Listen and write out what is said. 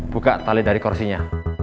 buka tali dari kursinya